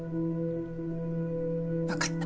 分かった。